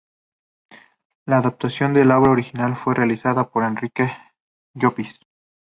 La adaptación de la obra original fue realizada por Enrique Llopis.